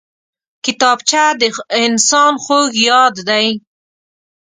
کتابچه د هر انسان خوږ یاد دی